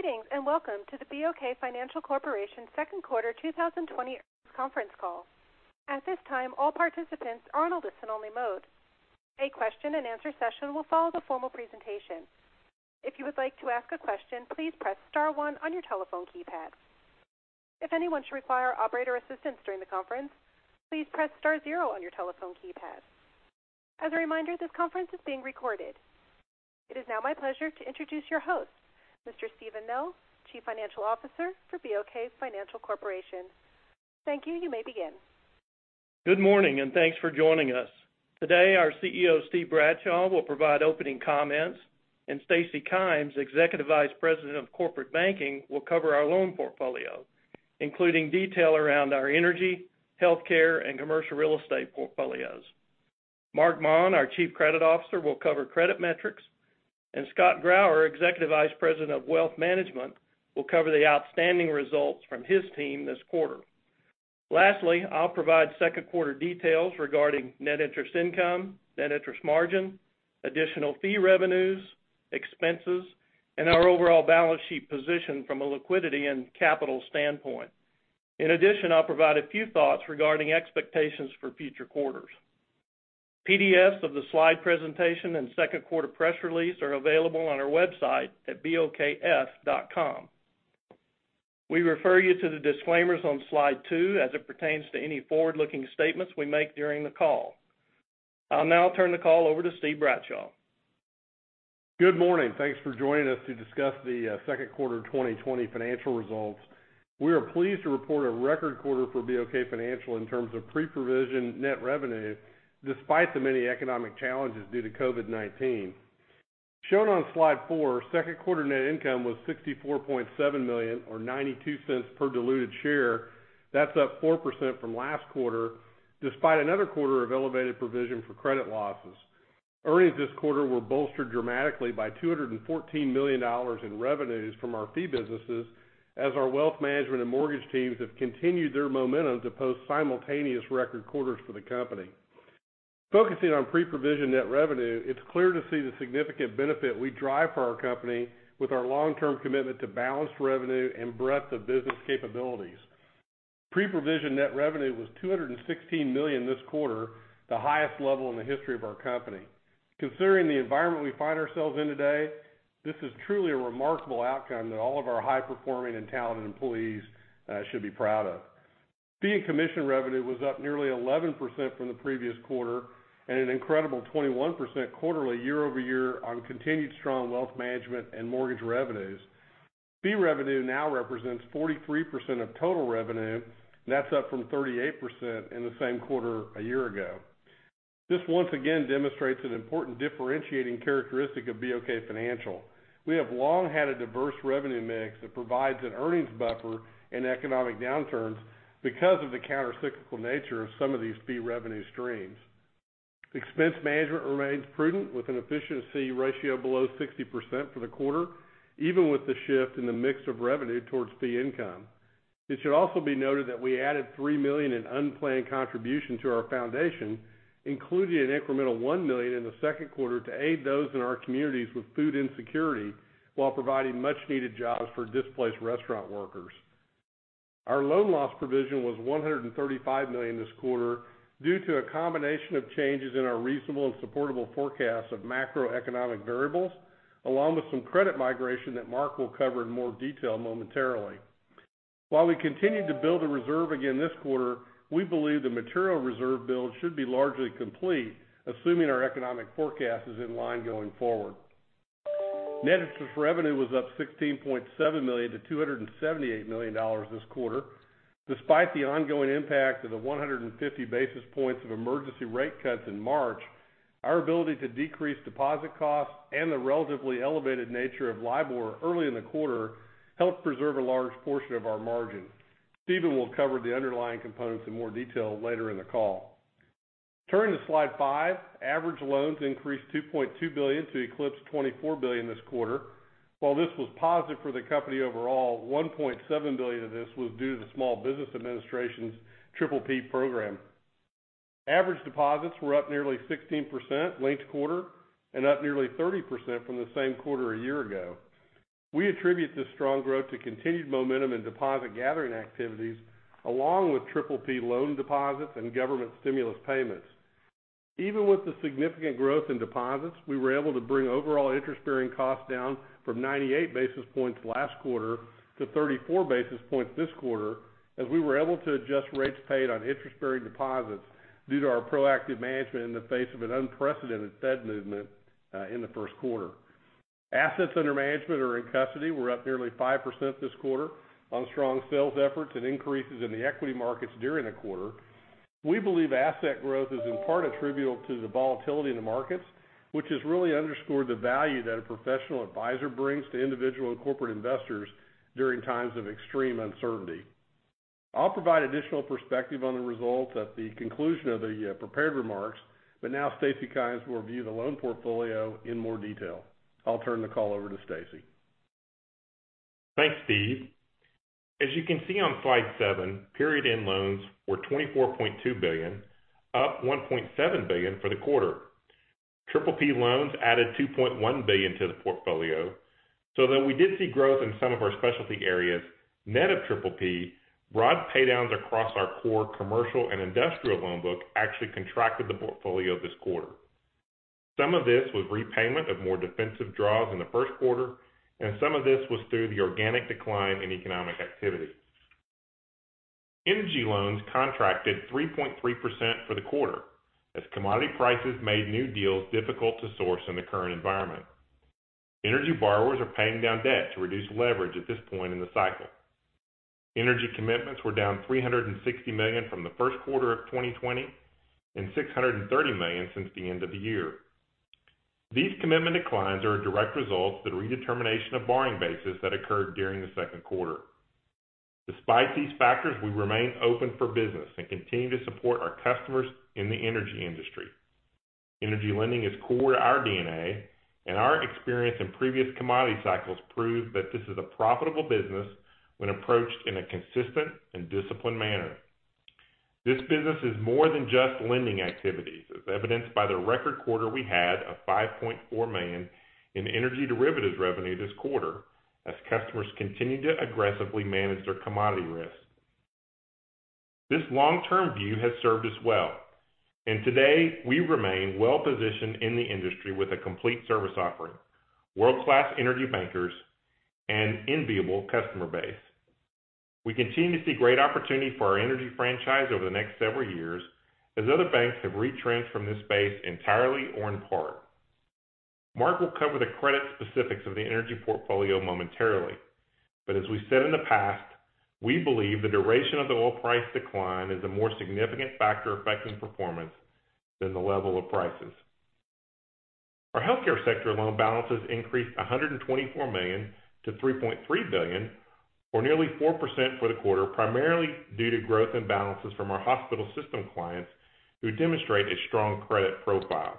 Greetings, and welcome to the BOK Financial Corporation second quarter 2020 earnings conference call. At this time, all participants are on a listen-only mode. A question and answer session will follow the formal presentation. If you would like to ask a question, please press star one on your telephone keypad. If anyone should require operator assistance during the conference, please press star zero on your telephone keypad. As a reminder, this conference is being recorded. It is now my pleasure to introduce your host, Mr. Steven Nell, Chief Financial Officer for BOK Financial Corporation. Thank you. You may begin. Good morning. Thanks for joining us. Today, our CEO, Steven Bradshaw, will provide opening comments, and Stacy Kymes, Executive Vice President of Corporate Banking, will cover our loan portfolio, including detail around our energy, healthcare, and commercial real estate portfolios. Marc Maun, our Chief Credit Officer, will cover credit metrics, and Scott Grauer, Executive Vice President of Wealth Management, will cover the outstanding results from his team this quarter. Lastly, I'll provide second quarter details regarding net interest income, net interest margin, additional fee revenues, expenses, and our overall balance sheet position from a liquidity and capital standpoint. In addition, I'll provide a few thoughts regarding expectations for future quarters. PDFs of the slide presentation and second quarter press release are available on our website at bokf.com. We refer you to the disclaimers on slide two as it pertains to any forward-looking statements we make during the call. I'll now turn the call over to Steven Bradshaw. Good morning. Thanks for joining us to discuss the second quarter 2020 financial results. We are pleased to report a record quarter for BOK Financial in terms of pre-provision net revenue, despite the many economic challenges due to COVID-19. Shown on slide four, second quarter net income was $64.7 million, or $0.92 per diluted share. That's up 4% from last quarter, despite another quarter of elevated provision for credit losses. Earnings this quarter were bolstered dramatically by $214 million in revenues from our fee businesses as our wealth management and mortgage teams have continued their momentum to post simultaneous record quarters for the company. Focusing on pre-provision net revenue, it's clear to see the significant benefit we drive for our company with our long-term commitment to balanced revenue and breadth of business capabilities. Pre-provision net revenue was $216 million this quarter, the highest level in the history of our company. Considering the environment we find ourselves in today, this is truly a remarkable outcome that all of our high-performing and talented employees should be proud of. Fee and commission revenue was up nearly 11% from the previous quarter and an incredible 21% quarterly year-over-year on continued strong wealth management and mortgage revenues. Fee revenue now represents 43% of total revenue, and that's up from 38% in the same quarter a year ago. This once again demonstrates an important differentiating characteristic of BOK Financial. We have long had a diverse revenue mix that provides an earnings buffer in economic downturns because of the countercyclical nature of some of these fee revenue streams. Expense management remains prudent with an efficiency ratio below 60% for the quarter, even with the shift in the mix of revenue towards fee income. It should also be noted that we added $3 million in unplanned contribution to our Foundation, including an incremental $1 million in the second quarter to aid those in our communities with food insecurity while providing much-needed jobs for displaced restaurant workers. Our loan loss provision was $135 million this quarter due to a combination of changes in our reasonable and supportable forecast of macroeconomic variables, along with some credit migration that Marc will cover in more detail momentarily. While we continued to build a reserve again this quarter, we believe the material reserve build should be largely complete, assuming our economic forecast is in line going forward. Net interest revenue was up $16.7 million to $278 million this quarter. Despite the ongoing impact of the 150 basis points of emergency rate cuts in March, our ability to decrease deposit costs and the relatively elevated nature of LIBOR early in the quarter helped preserve a large portion of our margin. Steven will cover the underlying components in more detail later in the call. Turning to slide five, average loans increased $2.2 billion to eclipse $24 billion this quarter. While this was positive for the company overall, $1.7 billion of this was due to the Small Business Administration's PPP program. Average deposits were up nearly 16% linked quarter and up nearly 30% from the same quarter a year ago. We attribute this strong growth to continued momentum in deposit gathering activities, along with PPP loan deposits and government stimulus payments. Even with the significant growth in deposits, we were able to bring overall interest-bearing costs down from 98 basis points last quarter to 34 basis points this quarter, as we were able to adjust rates paid on interest-bearing deposits due to our proactive management in the face of an unprecedented Fed movement in the first quarter. Assets under management or in custody were up nearly 5% this quarter on strong sales efforts and increases in the equity markets during the quarter. We believe asset growth is in part attributable to the volatility in the markets, which has really underscored the value that a professional advisor brings to individual and corporate investors during times of extreme uncertainty. I'll provide additional perspective on the results at the conclusion of the prepared remarks. Now Stacy Kymes will review the loan portfolio in more detail. I'll turn the call over to Stacy. Thanks, Steve. As you can see on slide seven, period-end loans were $24.2 billion, up $1.7 billion for the quarter. Though we did see growth in some of our specialty areas, net of PPP, broad paydowns across our core commercial and industrial loan book actually contracted the portfolio this quarter. Some of this was repayment of more defensive draws in the first quarter, and some of this was through the organic decline in economic activity. Energy loans contracted 3.3% for the quarter as commodity prices made new deals difficult to source in the current environment. Energy borrowers are paying down debt to reduce leverage at this point in the cycle. Energy commitments were down $360 million from the first quarter of 2020 and $630 million since the end of the year. These commitment declines are a direct result of the redetermination of borrowing bases that occurred during the second quarter. Despite these factors, we remain open for business and continue to support our customers in the energy industry. Energy lending is core to our DNA, and our experience in previous commodity cycles prove that this is a profitable business when approached in a consistent and disciplined manner. This business is more than just lending activities, as evidenced by the record quarter we had of $5.4 million in energy derivatives revenue this quarter as customers continue to aggressively manage their commodity risk. This long-term view has served us well, and today we remain well positioned in the industry with a complete service offering, world-class energy bankers, and enviable customer base. We continue to see great opportunity for our energy franchise over the next several years as other banks have retrenched from this space entirely or in part. Marc will cover the credit specifics of the energy portfolio momentarily, but as we've said in the past, we believe the duration of the oil price decline is a more significant factor affecting performance than the level of prices. Our healthcare sector loan balances increased $124 million to $3.3 billion, or nearly 4% for the quarter, primarily due to growth in balances from our hospital system clients who demonstrate a strong credit profile.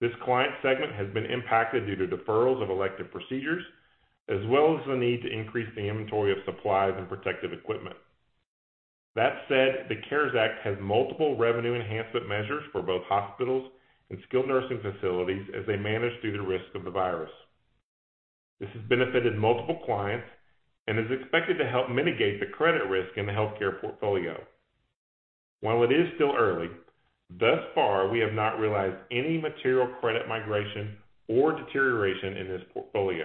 This client segment has been impacted due to deferrals of elective procedures, as well as the need to increase the inventory of supplies and protective equipment. That said, the CARES Act has multiple revenue enhancement measures for both hospitals and skilled nursing facilities as they manage through the risk of the virus. This has benefited multiple clients and is expected to help mitigate the credit risk in the healthcare portfolio. While it is still early, thus far, we have not realized any material credit migration or deterioration in this portfolio.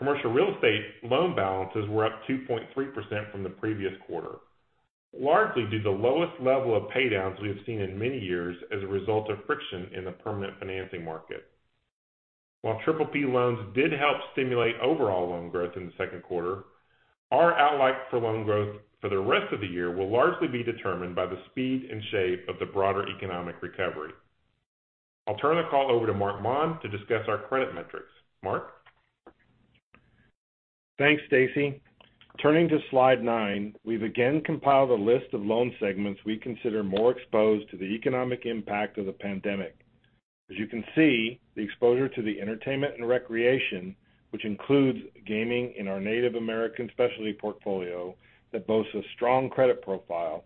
Commercial real estate loan balances were up 2.3% from the previous quarter, largely due to the lowest level of paydowns we have seen in many years as a result of friction in the permanent financing market. While PPP loans did help stimulate overall loan growth in the second quarter, our outlook for loan growth for the rest of the year will largely be determined by the speed and shape of the broader economic recovery. I'll turn the call over to Marc Maun to discuss our credit metrics. Marc? Thanks, Stacy. Turning to slide nine, we've again compiled a list of loan segments we consider more exposed to the economic impact of the pandemic. As you can see, the exposure to the entertainment and recreation, which includes gaming in our Native American specialty portfolio that boasts a strong credit profile,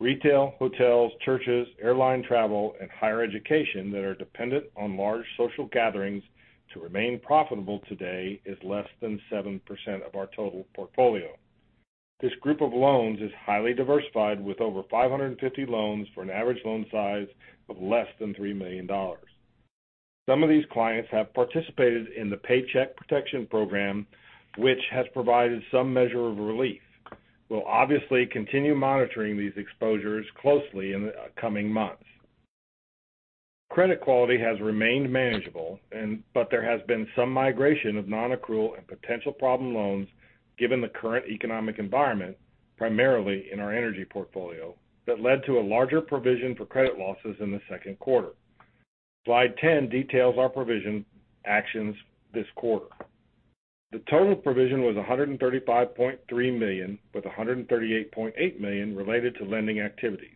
retail, hotels, churches, airline travel, and higher education that are dependent on large social gatherings to remain profitable today is less than 7% of our total portfolio. This group of loans is highly diversified with over 550 loans for an average loan size of less than $3 million. Some of these clients have participated in the Paycheck Protection Program, which has provided some measure of relief. We'll obviously continue monitoring these exposures closely in the coming months. Credit quality has remained manageable, but there has been some migration of nonaccrual and potential problem loans given the current economic environment, primarily in our energy portfolio, that led to a larger provision for credit losses in the second quarter. Slide 10 details our provision actions this quarter. The total provision was $135.3 million, with $138.8 million related to lending activities.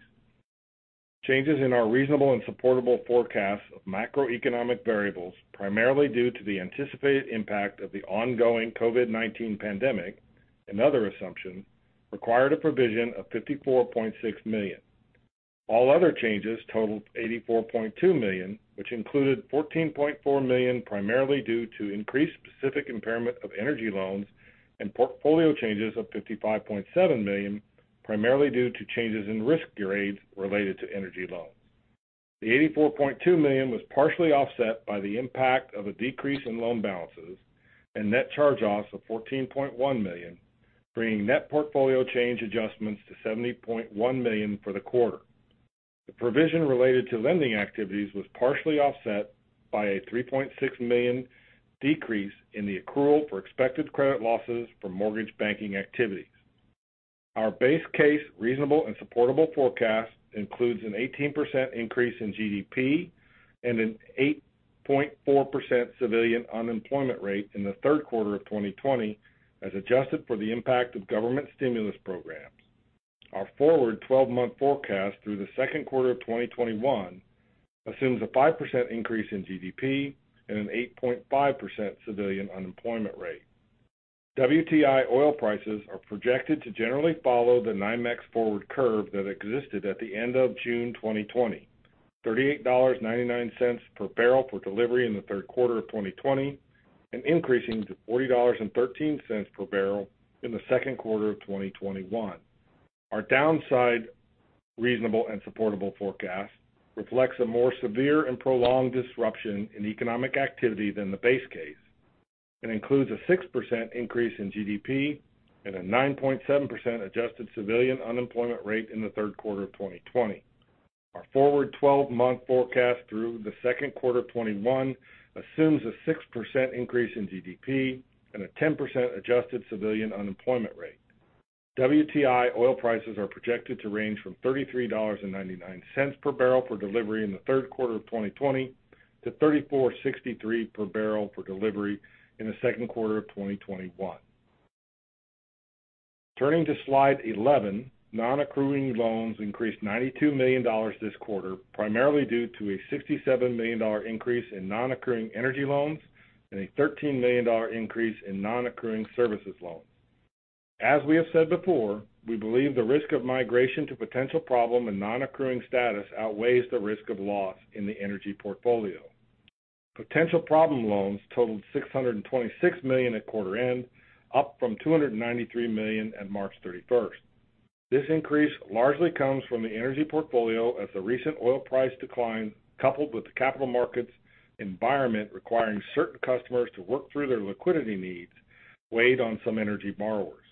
Changes in our reasonable and supportable forecasts of macroeconomic variables, primarily due to the anticipated impact of the ongoing COVID-19 pandemic and other assumptions, required a provision of $54.6 million. All other changes totaled $84.2 million, which included $14.4 million primarily due to increased specific impairment of energy loans and portfolio changes of $55.7 million, primarily due to changes in risk grades related to energy loans. The $84.2 million was partially offset by the impact of a decrease in loan balances and net charge-offs of $14.1 million, bringing net portfolio change adjustments to $70.1 million for the quarter. The provision related to lending activities was partially offset by a $3.6 million decrease in the accrual for expected credit losses from mortgage banking activities. Our base case reasonable and supportable forecast includes an 18% increase in GDP and an 8.4% civilian unemployment rate in the third quarter of 2020, as adjusted for the impact of government stimulus programs. Our forward 12-month forecast through the second quarter of 2021 assumes a 5% increase in GDP and an 8.5% civilian unemployment rate. WTI oil prices are projected to generally follow the NYMEX forward curve that existed at the end of June 2020, $38.99 per barrel for delivery in the third quarter of 2020 and increasing to $40.13 per barrel in the second quarter of 2021. Our downside reasonable and supportable forecast reflects a more severe and prolonged disruption in economic activity than the base case, and includes a 6% increase in GDP and a 9.7% adjusted civilian unemployment rate in the third quarter of 2020. Our forward 12-month forecast through the second quarter of 2021 assumes a 6% increase in GDP and a 10% adjusted civilian unemployment rate. WTI oil prices are projected to range from $33.99 per barrel for delivery in the third quarter of 2020 to $34.63 per barrel for delivery in the second quarter of 2021. Turning to slide 11, non-accruing loans increased $92 million this quarter, primarily due to a $67 million increase in non-accruing energy loans and a $13 million increase in non-accruing services loans. As we have said before, we believe the risk of migration to potential problem and non-accruing status outweighs the risk of loss in the energy portfolio. Potential problem loans totaled $626 million at quarter end, up from $293 million at March 31st. This increase largely comes from the energy portfolio as the recent oil price decline, coupled with the capital markets environment requiring certain customers to work through their liquidity needs, weighed on some energy borrowers.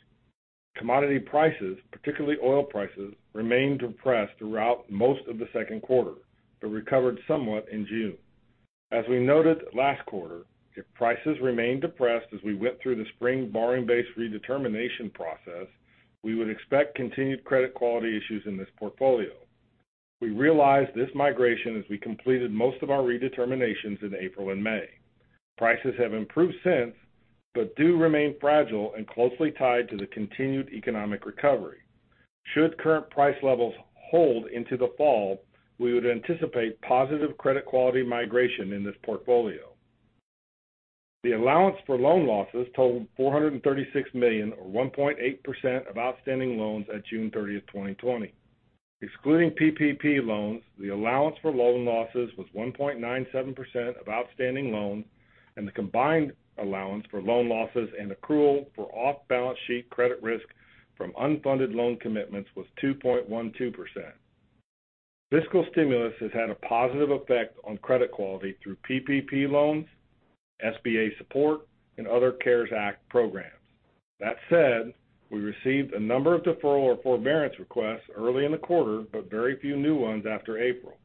Commodity prices, particularly oil prices, remained depressed throughout most of the second quarter, but recovered somewhat in June. As we noted last quarter, if prices remained depressed as we went through the spring borrowing base redetermination process, we would expect continued credit quality issues in this portfolio. We realized this migration as we completed most of our redeterminations in April and May. Prices have improved since, but do remain fragile and closely tied to the continued economic recovery. Should current price levels hold into the fall, we would anticipate positive credit quality migration in this portfolio. The allowance for loan losses totaled $436 million, or 1.8% of outstanding loans at June 30th, 2020. Excluding PPP loans, the allowance for loan losses was 1.97% of outstanding loans, and the combined allowance for loan losses and accrual for off-balance sheet credit risk from unfunded loan commitments was 2.12%. Fiscal stimulus has had a positive effect on credit quality through PPP loans, SBA support, and other CARES Act programs. That said, we received a number of deferral or forbearance requests early in the quarter, but very few new ones after April.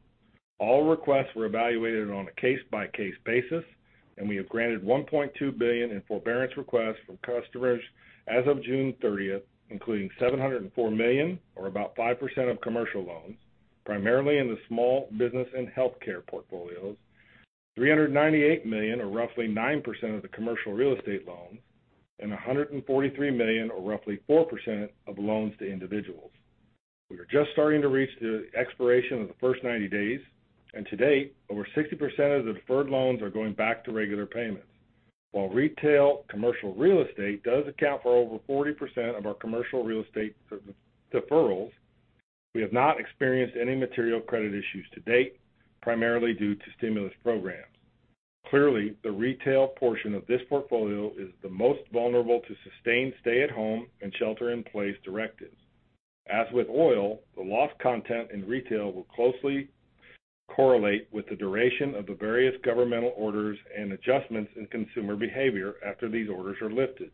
All requests were evaluated on a case-by-case basis, and we have granted $1.2 billion in forbearance requests from customers as of June 30th, including $704 million, or about 5% of commercial loans, primarily in the small business and healthcare portfolios, $398 million, or roughly 9% of the commercial real estate loans, and $143 million, or roughly 4%, of loans to individuals. We are just starting to reach the expiration of the first 90 days, and to date, over 60% of the deferred loans are going back to regular payments. While retail commercial real estate does account for over 40% of our commercial real estate deferrals, we have not experienced any material credit issues to date, primarily due to stimulus programs. Clearly, the retail portion of this portfolio is the most vulnerable to sustained stay-at-home and shelter-in-place directives. As with oil, the loss content in retail will closely correlate with the duration of the various governmental orders and adjustments in consumer behavior after these orders are lifted.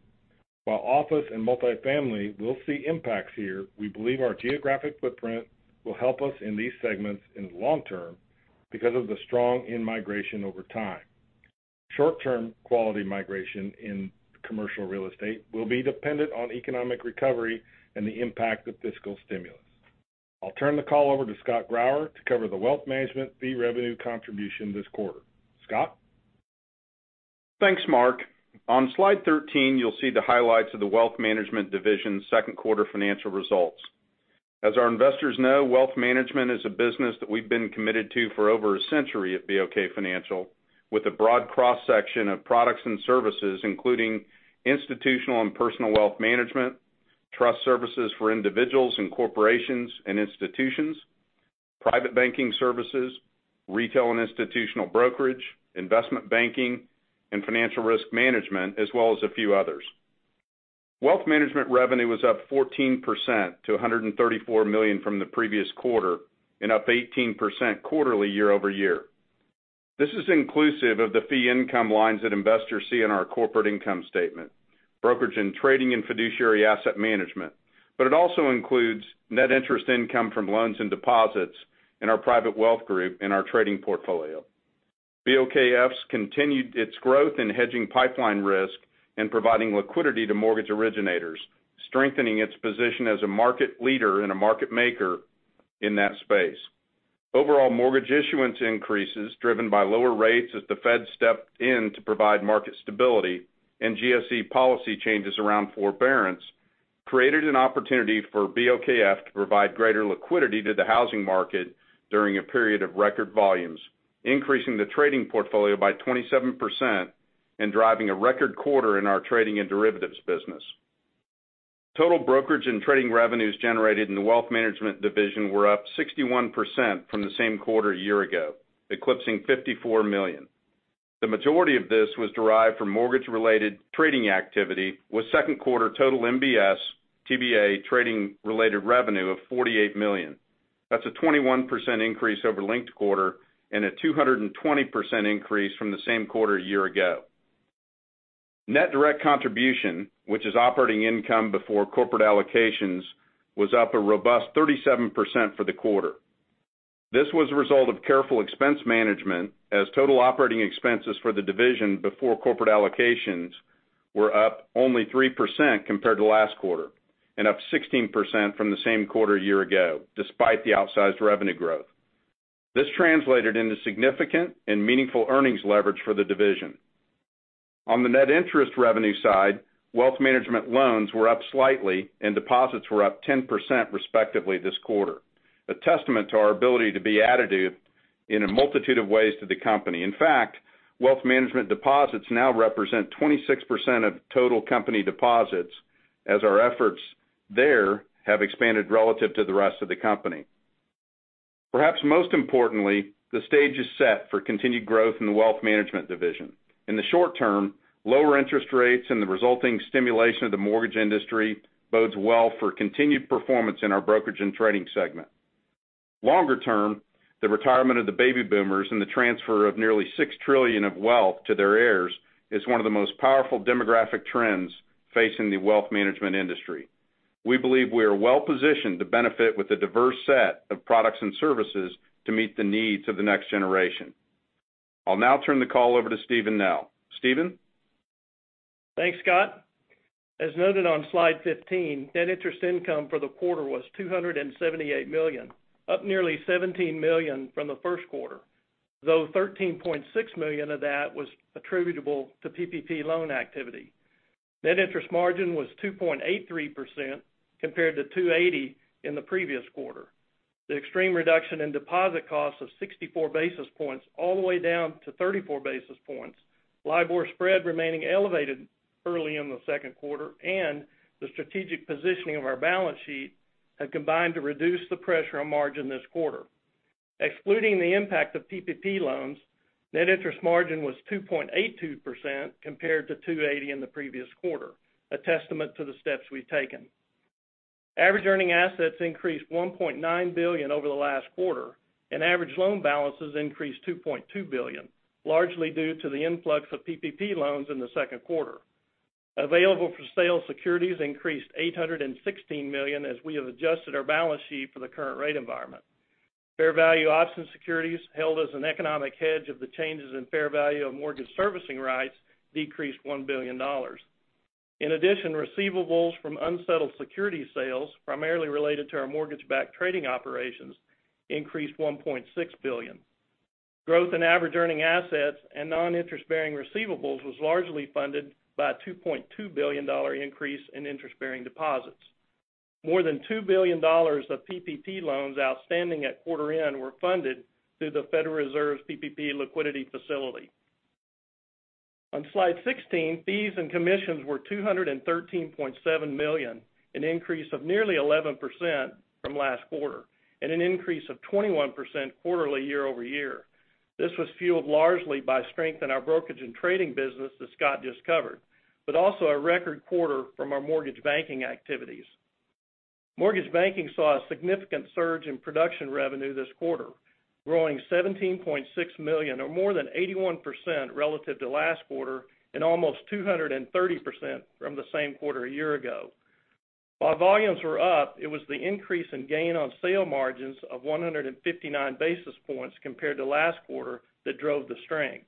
While office and multifamily will see impacts here, we believe our geographic footprint will help us in these segments in the long term because of the strong in-migration over time. Short-term quality migration in commercial real estate will be dependent on economic recovery and the impact of fiscal stimulus. I'll turn the call over to Scott Grauer to cover the wealth management fee revenue contribution this quarter. Scott? Thanks, Marc. On slide 13, you'll see the highlights of the Wealth Management division's second quarter financial results. As our investors know, Wealth Management is a business that we've been committed to for over a century at BOK Financial, with a broad cross-section of products and services, including institutional and personal wealth management, trust services for individuals and corporations and institutions, private banking services, retail and institutional brokerage, investment banking, and financial risk management, as well as a few others. Wealth Management revenue was up 14% to $134 million from the previous quarter and up 18% quarterly year-over-year. This is inclusive of the fee income lines that investors see in our corporate income statement, brokerage and trading and fiduciary asset management. It also includes net interest income from loans and deposits in our private wealth group in our trading portfolio. BOKF continued its growth in hedging pipeline risk and providing liquidity to mortgage originators, strengthening its position as a market leader and a market maker in that space. Overall mortgage issuance increases driven by lower rates as the Fed stepped in to provide market stability, and GSE policy changes around forbearance, created an opportunity for BOKF to provide greater liquidity to the housing market during a period of record volumes, increasing the trading portfolio by 27% and driving a record quarter in our trading and derivatives business. Total brokerage and trading revenues generated in the wealth management division were up 61% from the same quarter a year ago, eclipsing $54 million. The majority of this was derived from mortgage-related trading activity with second quarter total MBS TBA trading related revenue of $48 million. That's a 21% increase over linked quarter and a 220% increase from the same quarter a year ago. Net direct contribution, which is operating income before corporate allocations, was up a robust 37% for the quarter. This was a result of careful expense management as total operating expenses for the division before corporate allocations were up only 3% compared to last quarter and up 16% from the same quarter a year ago, despite the outsized revenue growth. This translated into significant and meaningful earnings leverage for the division. On the net interest revenue side, wealth management loans were up slightly, and deposits were up 10% respectively this quarter. A testament to our ability to be additive in a multitude of ways to the company. In fact, wealth management deposits now represent 26% of total company deposits as our efforts there have expanded relative to the rest of the company. Perhaps most importantly, the stage is set for continued growth in the wealth management division. In the short term, lower interest rates and the resulting stimulation of the mortgage industry bodes well for continued performance in our brokerage and trading segment. Longer term, the retirement of the baby boomers and the transfer of nearly $6 trillion of wealth to their heirs is one of the most powerful demographic trends facing the wealth management industry. We believe we are well-positioned to benefit with a diverse set of products and services to meet the needs of the next generation. I'll now turn the call over to Steven Nell. Stephen? Thanks, Scott. As noted on slide 15, net interest income for the quarter was $278 million, up nearly $17 million from the first quarter, though $13.6 million of that was attributable to PPP loan activity. Net interest margin was 2.83% compared to 2.80% in the previous quarter. The extreme reduction in deposit costs of 64 basis points all the way down to 34 basis points, LIBOR spread remaining elevated early in the second quarter, and the strategic positioning of our balance sheet have combined to reduce the pressure on margin this quarter. Excluding the impact of PPP loans, net interest margin was 2.82% compared to 2.80% in the previous quarter, a testament to the steps we've taken. Average earning assets increased $1.9 billion over the last quarter, and average loan balances increased $2.2 billion, largely due to the influx of PPP loans in the second quarter. available-for-sale securities increased $816 million as we have adjusted our balance sheet for the current rate environment. fair value option securities held as an economic hedge of the changes in fair value of mortgage servicing rights decreased $1 billion. In addition, receivables from unsettled security sales, primarily related to our mortgage-backed trading operations, increased $1.6 billion. Growth in average earning assets and non-interest-bearing receivables was largely funded by a $2.2 billion increase in interest-bearing deposits. More than $2 billion of PPP loans outstanding at quarter end were funded through the Federal Reserve's PPP liquidity facility. On slide 16, fees and commissions were $213.7 million, an increase of nearly 11% from last quarter, and an increase of 21% quarterly year-over-year. This was fueled largely by strength in our brokerage and trading business that Scott just covered, but also a record quarter from our mortgage banking activities. Mortgage banking saw a significant surge in production revenue this quarter, growing $17.6 million or more than 81% relative to last quarter and almost 230% from the same quarter a year ago. While volumes were up, it was the increase in gain on sale margins of 159 basis points compared to last quarter that drove the strength.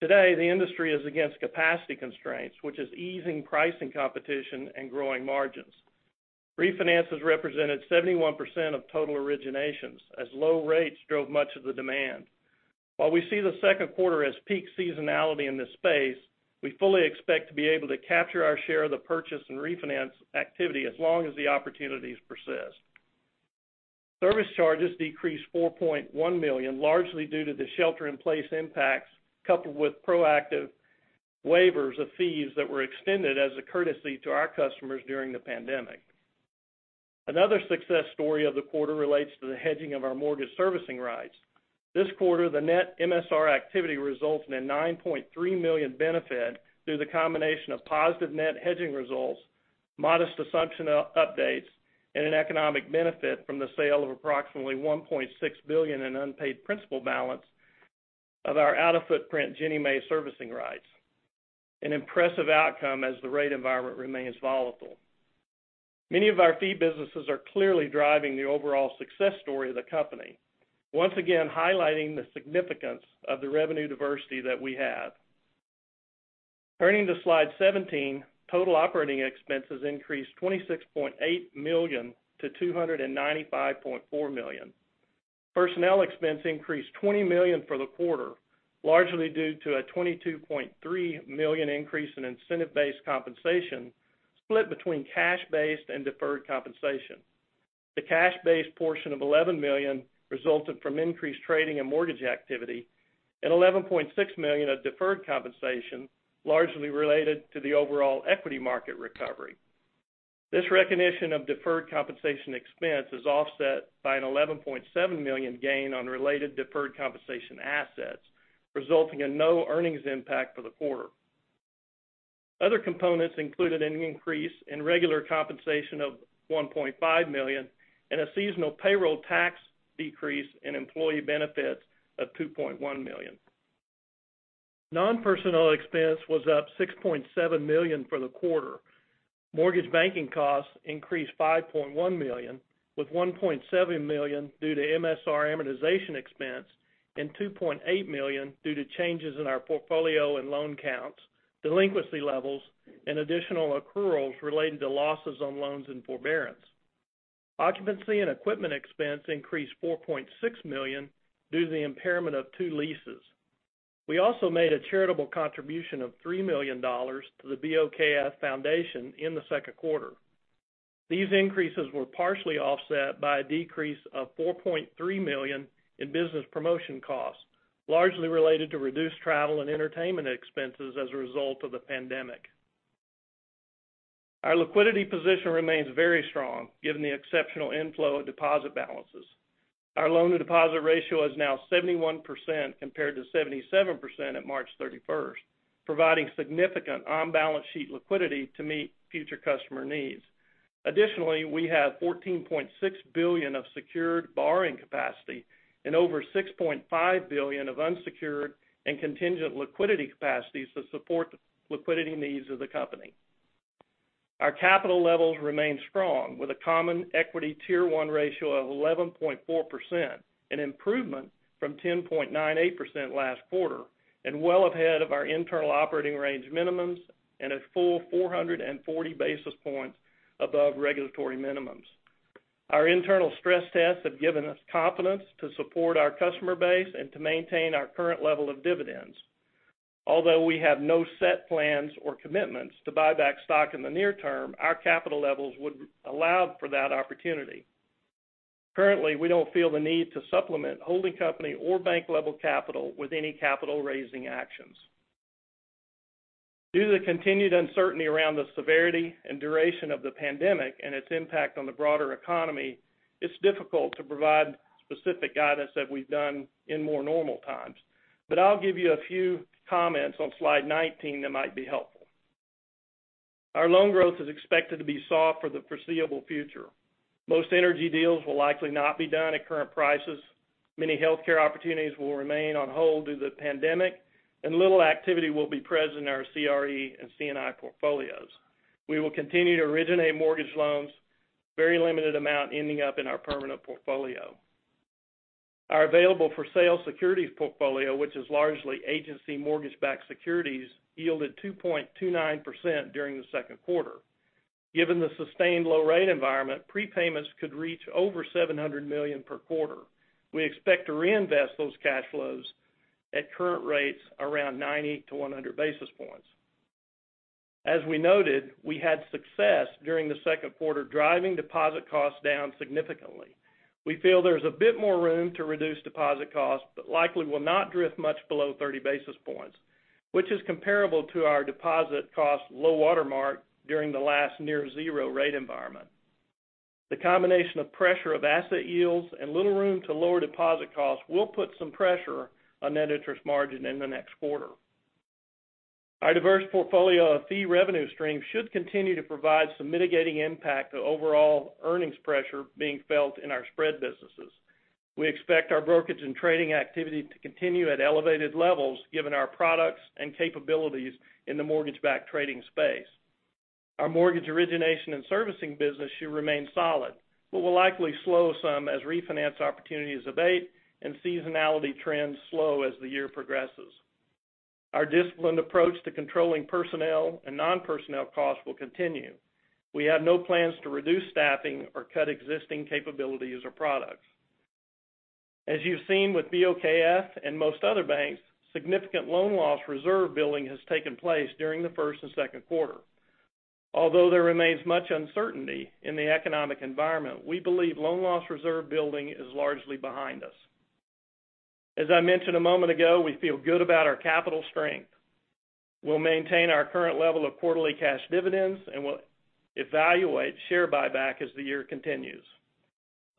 Today, the industry is against capacity constraints, which is easing pricing competition and growing margins. Refinances represented 71% of total originations as low rates drove much of the demand. While we see the second quarter as peak seasonality in this space, we fully expect to be able to capture our share of the purchase and refinance activity as long as the opportunities persist. Service charges decreased $4.1 million, largely due to the shelter in place impacts, coupled with proactive waivers of fees that were extended as a courtesy to our customers during the pandemic. Another success story of the quarter relates to the hedging of our mortgage servicing rights. This quarter, the net MSR activity results in a $9.3 million benefit through the combination of positive net hedging results, modest assumption updates, and an economic benefit from the sale of approximately $1.6 billion in unpaid principal balance of our out of footprint Ginnie Mae servicing rights. An impressive outcome as the rate environment remains volatile. Many of our fee businesses are clearly driving the overall success story of the company. Once again, highlighting the significance of the revenue diversity that we have. Turning to slide 17, total operating expenses increased $26.8 million to $295.4 million. Personnel expense increased $20 million for the quarter, largely due to a $22.3 million increase in incentive-based compensation, split between cash-based and deferred compensation. The cash-based portion of $11 million resulted from increased trading and mortgage activity and $11.6 million of deferred compensation, largely related to the overall equity market recovery. This recognition of deferred compensation expense is offset by an $11.7 million gain on related deferred compensation assets, resulting in no earnings impact for the quarter. Other components included an increase in regular compensation of $1.5 million and a seasonal payroll tax decrease in employee benefits of $2.1 million. Non-personnel expense was up $6.7 million for the quarter. Mortgage banking costs increased $5.1 million, with $1.7 million due to MSR amortization expense and $2.8 million due to changes in our portfolio and loan counts, delinquency levels, and additional accruals relating to losses on loans and forbearance. Occupancy and equipment expense increased $4.6 million due to the impairment of two leases. We also made a charitable contribution of $3 million to the BOKF Foundation in the second quarter. These increases were partially offset by a decrease of $4.3 million in business promotion costs, largely related to reduced travel and entertainment expenses as a result of the pandemic. Our liquidity position remains very strong given the exceptional inflow of deposit balances. Our loan-to-deposit ratio is now 71% compared to 77% at March 31st, providing significant on-balance sheet liquidity to meet future customer needs. Additionally, we have $14.6 billion of secured borrowing capacity and over $6.5 billion of unsecured and contingent liquidity capacities to support the liquidity needs of the company. Our capital levels remain strong with a common equity Tier 1 ratio of 11.4%, an improvement from 10.98% last quarter, and well ahead of our internal operating range minimums and a full 440 basis points above regulatory minimums. Our internal stress tests have given us confidence to support our customer base and to maintain our current level of dividends. Although we have no set plans or commitments to buy back stock in the near term, our capital levels would allow for that opportunity. Currently, we don't feel the need to supplement holding company or bank-level capital with any capital-raising actions. Due to the continued uncertainty around the severity and duration of the pandemic and its impact on the broader economy, it's difficult to provide specific guidance as we've done in more normal times. I'll give you a few comments on slide 19 that might be helpful. Our loan growth is expected to be soft for the foreseeable future. Most energy deals will likely not be done at current prices. Many healthcare opportunities will remain on hold due to the pandemic, and little activity will be present in our CRE and C&I portfolios. We will continue to originate mortgage loans, very limited amount ending up in our permanent portfolio. Our available-for-sale securities portfolio, which is largely agency mortgage-backed securities, yielded 2.29% during the second quarter. Given the sustained low rate environment, prepayments could reach over $700 million per quarter. We expect to reinvest those cash flows at current rates around 90 to 100 basis points. As we noted, we had success during the second quarter driving deposit costs down significantly. We feel there's a bit more room to reduce deposit costs, but likely will not drift much below 30 basis points, which is comparable to our deposit cost low water mark during the last near zero rate environment. The combination of pressure of asset yields and little room to lower deposit costs will put some pressure on net interest margin in the next quarter. Our diverse portfolio of fee revenue streams should continue to provide some mitigating impact to overall earnings pressure being felt in our spread businesses. We expect our brokerage and trading activity to continue at elevated levels given our products and capabilities in the mortgage-backed trading space. Our mortgage origination and servicing business should remain solid, but will likely slow some as refinance opportunities abate and seasonality trends slow as the year progresses. Our disciplined approach to controlling personnel and non-personnel costs will continue. We have no plans to reduce staffing or cut existing capabilities or products. As you've seen with BOKF and most other banks, significant loan loss reserve building has taken place during the first and second quarter. Although there remains much uncertainty in the economic environment, we believe loan loss reserve building is largely behind us. As I mentioned a moment ago, we feel good about our capital strength. We'll maintain our current level of quarterly cash dividends, and we'll evaluate share buyback as the year continues.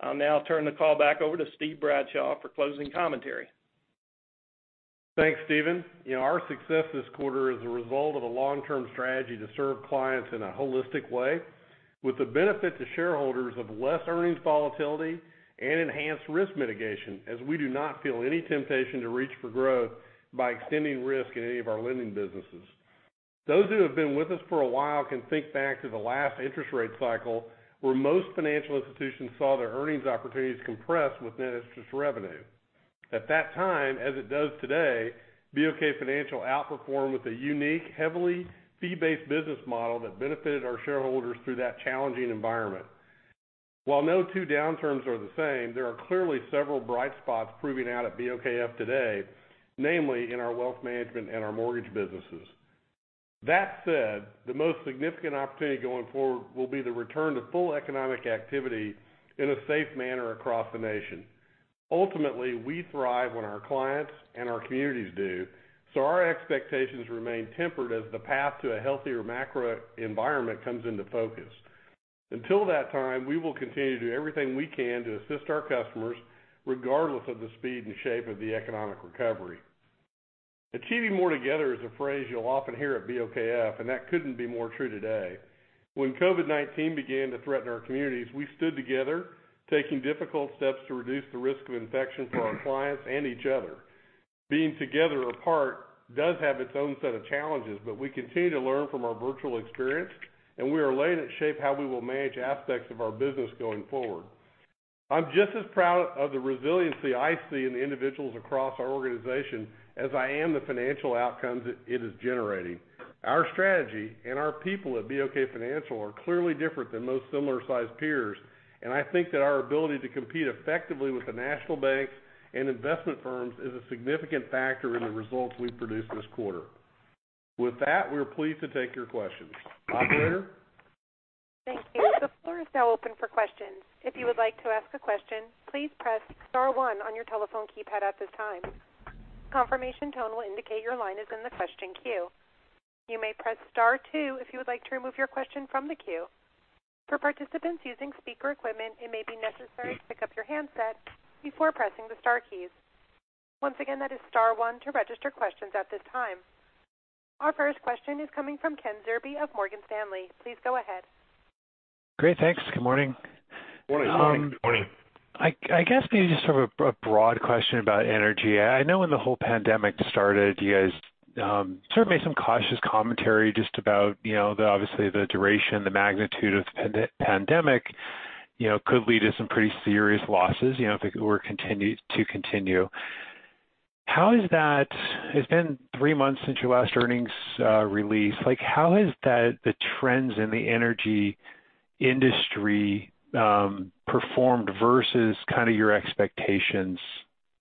I'll now turn the call back over to Steve Bradshaw for closing commentary. Thanks, Steven. Our success this quarter is a result of a long-term strategy to serve clients in a holistic way with the benefit to shareholders of less earnings volatility and enhanced risk mitigation, as we do not feel any temptation to reach for growth by extending risk in any of our lending businesses. Those who have been with us for a while can think back to the last interest rate cycle where most financial institutions saw their earnings opportunities compress with net interest revenue. At that time, as it does today, BOK Financial outperformed with a unique, heavily fee-based business model that benefited our shareholders through that challenging environment. While no two downturns are the same, there are clearly several bright spots proving out at BOKF today, namely in our wealth management and our mortgage businesses. That said, the most significant opportunity going forward will be the return to full economic activity in a safe manner across the nation. Ultimately, we thrive when our clients and our communities do, so our expectations remain tempered as the path to a healthier macro environment comes into focus. Until that time, we will continue to do everything we can to assist our customers, regardless of the speed and shape of the economic recovery. Achieving more together is a phrase you'll often hear at BOKF, and that couldn't be more true today. When COVID-19 began to threaten our communities, we stood together, taking difficult steps to reduce the risk of infection for our clients and each other. Being together apart does have its own set of challenges, but we continue to learn from our virtual experience, and we are letting it shape how we will manage aspects of our business going forward. I'm just as proud of the resiliency I see in the individuals across our organization as I am the financial outcomes it is generating. Our strategy and our people at BOK Financial are clearly different than most similar-sized peers, and I think that our ability to compete effectively with the national banks and investment firms is a significant factor in the results we've produced this quarter. With that, we are pleased to take your questions. Operator? Thank you. The floor is now open for questions. If you would like to ask a question, please press star one on your telephone keypad at this time. Confirmation tone will indicate your line is in the question queue. You may press star two if you would like to remove your question from the queue. For participants using speaker equipment, it may be necessary to pick up your handset before pressing the star keys. Once again, that is star one to register questions at this time. Our first question is coming from Kenneth Zerbe of Morgan Stanley. Please go ahead. Great. Thanks. Good morning. Morning. I guess maybe just sort of a broad question about energy. I know when the whole pandemic started, you guys sort of made some cautious commentary just about obviously the duration, the magnitude of the pandemic could lead to some pretty serious losses if it were to continue. It's been three months since your last earnings release. How has the trends in the energy industry performed versus your expectations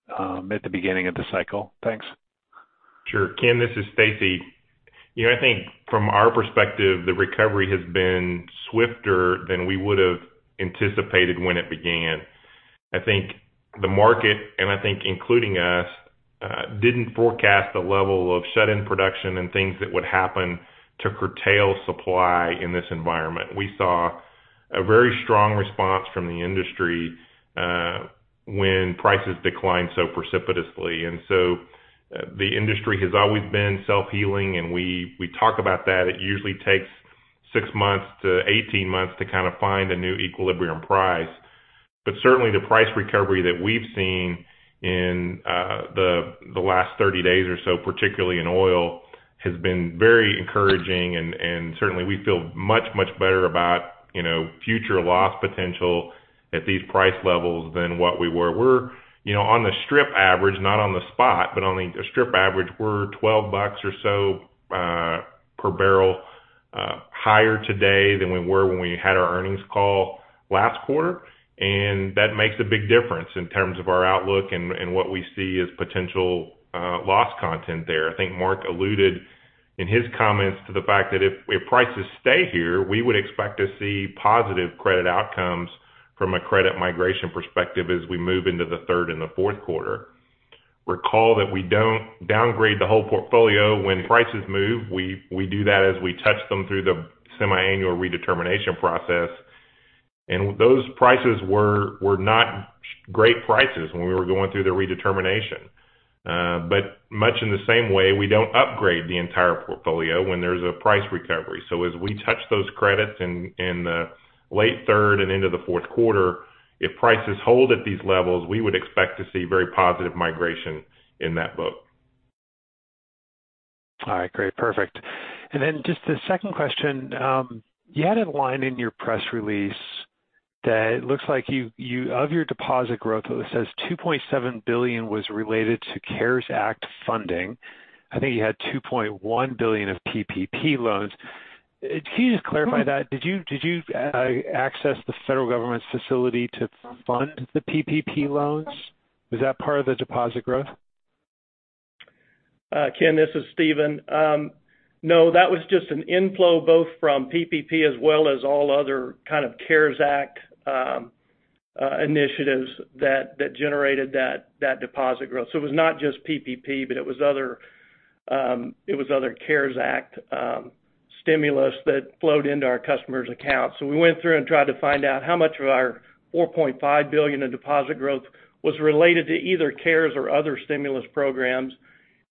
at the beginning of the cycle? Thanks. Sure. Ken, this is Stacy. I think from our perspective, the recovery has been swifter than we would have anticipated when it began. I think the market, and I think including us, didn't forecast the level of shut-in production and things that would happen to curtail supply in this environment. We saw a very strong response from the industry when prices declined so precipitously. The industry has always been self-healing, and we talk about that. It usually takes six months to 18 months to kind of find a new equilibrium price. Certainly, the price recovery that we've seen in the last 30 days or so, particularly in oil, has been very encouraging, and certainly we feel much, much better about future loss potential at these price levels than what we were. We're on the strip average, not on the spot, but on the strip average, we're $12 or so per barrel higher today than we were when we had our earnings call last quarter. That makes a big difference in terms of our outlook and what we see as potential loss content there. I think Marc alluded in his comments to the fact that if prices stay here, we would expect to see positive credit outcomes from a credit migration perspective as we move into the third and the fourth quarter. Recall that we don't downgrade the whole portfolio when prices move. We do that as we touch them through the semi-annual redetermination process. Those prices were not great prices when we were going through the redetermination. Much in the same way, we don't upgrade the entire portfolio when there's a price recovery. As we touch those credits in the late third and into the fourth quarter, if prices hold at these levels, we would expect to see very positive migration in that book. All right, great. Perfect. Just the second question. You had a line in your press release that looks like of your deposit growth, it says $2.7 billion was related to CARES Act funding. I think you had $2.1 billion of PPP loans. Can you just clarify that? Did you access the federal government's facility to fund the PPP loans? Was that part of the deposit growth? Ken, this is Steven. That was just an inflow both from PPP as well as all other kind of CARES Act initiatives that generated that deposit growth. It was not just PPP, but it was other CARES Act stimulus that flowed into our customers' accounts. We went through and tried to find out how much of our $4.5 billion in deposit growth was related to either CARES or other stimulus programs,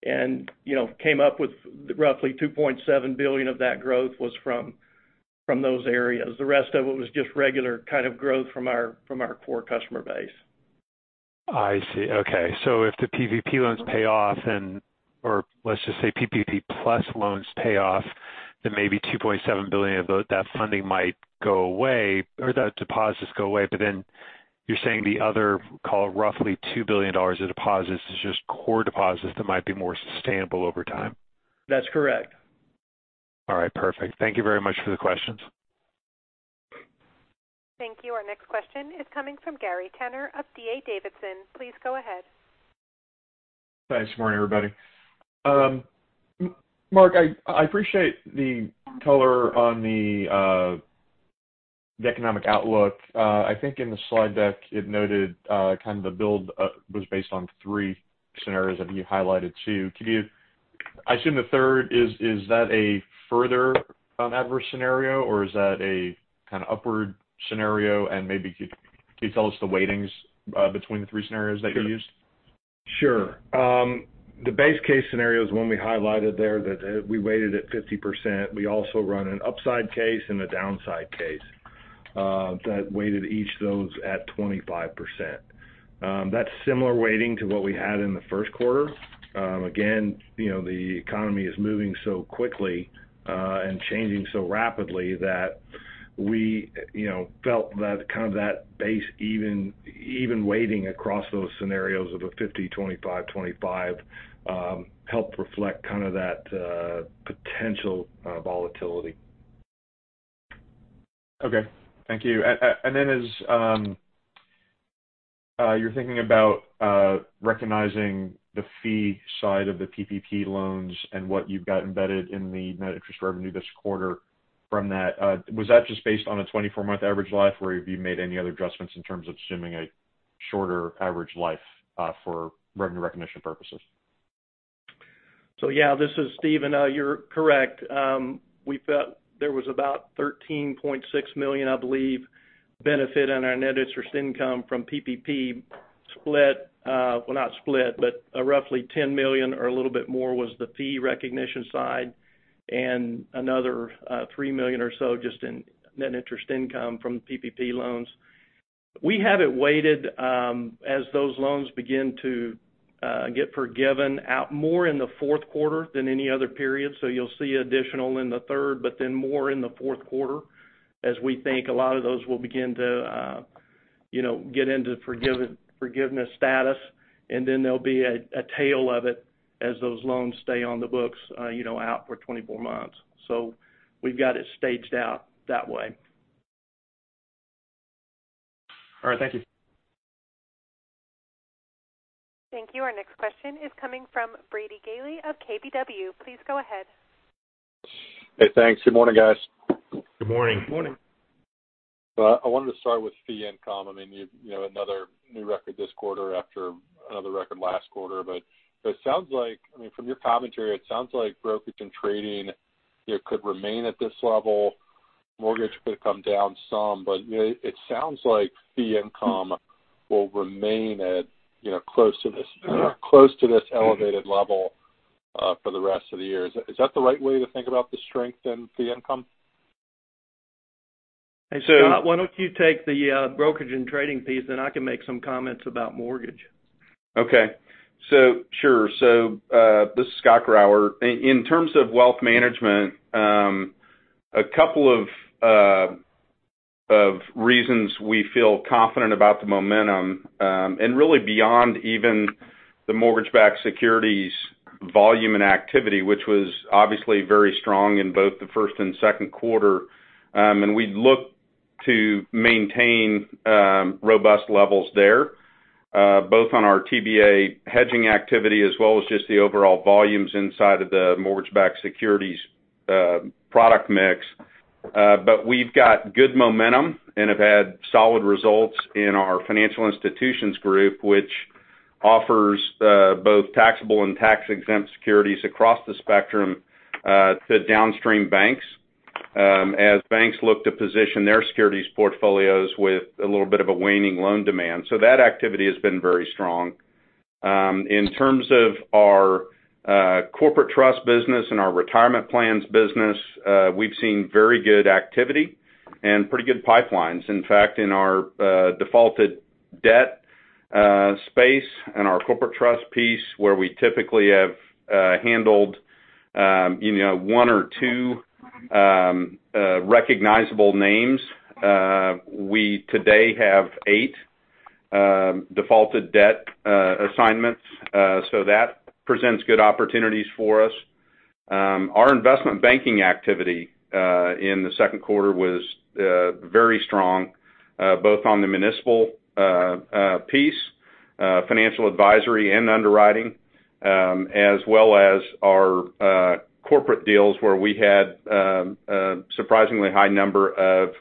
and came up with roughly $2.7 billion of that growth was from those areas. The rest of it was just regular kind of growth from our core customer base. I see. Okay. If the PPP loans pay off or let's just say PPP plus loans pay off. That maybe $2.7 billion of that funding might go away, or the deposits go away, you're saying the other, call it, roughly $2 billion of deposits is just core deposits that might be more sustainable over time? That's correct. All right. Perfect. Thank you very much for the questions. Thank you. Our next question is coming from Gary Tenner of D.A. Davidson. Please go ahead. Thanks. Morning, everybody. Marc, I appreciate the color on the economic outlook. I think in the slide deck it noted the build was based on three scenarios that you highlighted too. I assume the third, is that a further adverse scenario, or is that a kind of upward scenario? Maybe, could you tell us the weightings between the three scenarios that you used? Sure. The base case scenario is the one we highlighted there, that we weighted at 50%. We also run an upside case and a downside case that weighted each of those at 25%. That's similar weighting to what we had in the first quarter. Again, the economy is moving so quickly and changing so rapidly that we felt that kind of that base, even weighting across those scenarios of a 50/25/25, helped reflect kind of that potential volatility. Okay. Thank you. As you're thinking about recognizing the fee side of the PPP loans and what you've got embedded in the net interest revenue this quarter from that, was that just based on a 24-month average life, or have you made any other adjustments in terms of assuming a shorter average life for revenue recognition purposes? Yeah. This is Steven. You're correct. There was about $13.6 million, I believe, benefit on our net interest income from PPP split. Well, not split, but roughly $10 million or a little bit more was the fee recognition side and another $3 million or so just in net interest income from PPP loans. We have it weighted as those loans begin to get forgiven out more in the fourth quarter than any other period. You'll see additional in the third, but then more in the fourth quarter as we think a lot of those will begin to get into forgiveness status. There'll be a tail of it as those loans stay on the books out for 24 months. We've got it staged out that way. All right. Thank you. Thank you. Our next question is coming from Brady Gailey of KBW. Please go ahead. Hey, thanks. Good morning, guys. Good morning. Good morning. I wanted to start with fee income. You have another new record this quarter after another record last quarter. From your commentary, it sounds like brokerage and trading could remain at this level. Mortgage could come down some. It sounds like fee income will remain at close to this elevated level for the rest of the year. Is that the right way to think about the strength in fee income? Hey, Scott, why don't you take the brokerage and trading piece, then I can make some comments about mortgage. Okay. Sure. This is Scott Grauer. In terms of wealth management, a couple of reasons we feel confident about the momentum, really beyond even the mortgage-backed securities volume and activity, which was obviously very strong in both the first and second quarter. We look to maintain robust levels there, both on our TBA hedging activity as well as just the overall volumes inside of the mortgage-backed securities product mix. We've got good momentum and have had solid results in our financial institutions group, which offers both taxable and tax-exempt securities across the spectrum to downstream banks as banks look to position their securities portfolios with a little bit of a waning loan demand. That activity has been very strong. In terms of our corporate trust business and our retirement plans business, we've seen very good activity and pretty good pipelines. In fact, in our defaulted debt space and our corporate trust piece, where we typically have handled one or two recognizable names, we today have eight defaulted debt assignments. That presents good opportunities for us. Our investment banking activity in the second quarter was very strong both on the municipal piece, financial advisory, and underwriting, as well as our corporate deals where we had a surprisingly high number of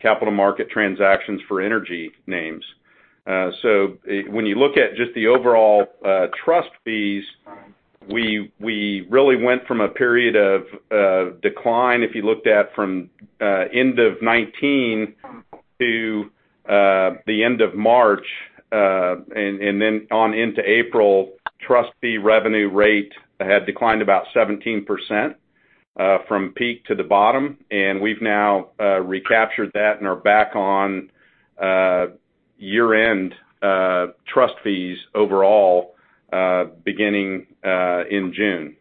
capital market transactions for energy names. When you look at just the overall trust fees, we really went from a period of decline if you looked at from end of 2019 to the end of March, and then on into April, trust fee revenue rate had declined about 17% from peak to the bottom. We've now recaptured that and are back on year-end trust fees overall. Beginning in June.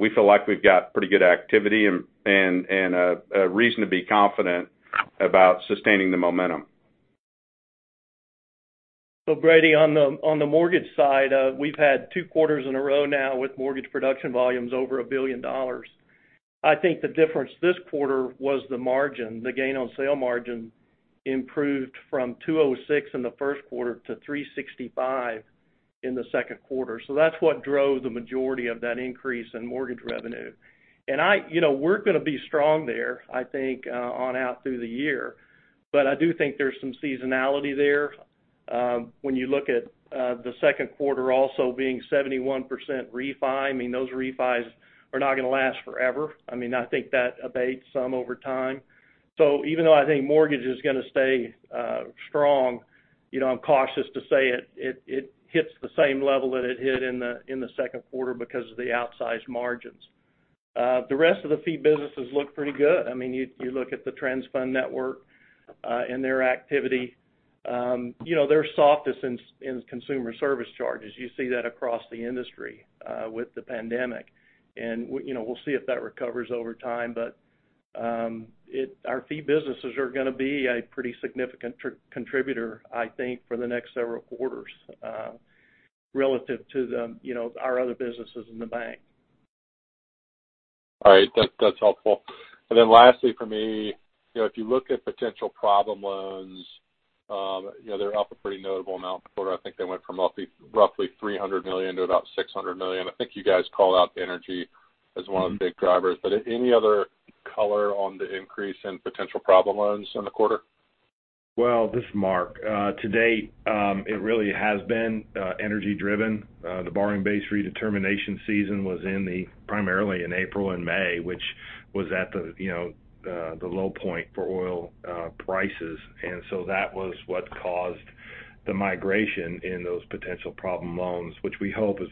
We feel like we've got pretty good activity and a reason to be confident about sustaining the momentum. Brady, on the mortgage side, we've had two quarters in a row now with mortgage production volumes over $1 billion. I think the difference this quarter was the margin. The gain on sale margin improved from 206 in the first quarter to 365 in the second quarter. That's what drove the majority of that increase in mortgage revenue. And we're going to be strong there, I think, on out through the year. But I do think there's some seasonality there. When you look at the second quarter also being 71% refi, I mean, those refis are not going to last forever. I think that abates some over time. Even though I think mortgage is going to stay strong, I'm cautious to say it hits the same level that it hit in the second quarter because of the outsized margins. The rest of the fee businesses look pretty good. You look at the TransFund network, and their activity. They're softest in consumer service charges. You see that across the industry with the pandemic. We'll see if that recovers over time. Our fee businesses are going to be a pretty significant contributor, I think, for the next several quarters relative to our other businesses in the bank. All right. That's helpful. Lastly for me, if you look at potential problem loans, they're up a pretty notable amount before. I think they went from roughly $300 million to about $600 million. I think you guys called out energy as one of the big drivers. Any other color on the increase in potential problem loans in the quarter? Well, this is Marc. To date, it really has been energy-driven. The borrowing base redetermination season was primarily in April and May, which was at the low point for oil prices. That was what caused the migration in those potential problem loans, which we hope, as